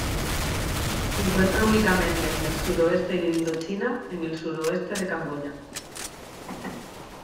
Se encuentra únicamente en el suroeste de Indochina, en el suroeste de Camboya.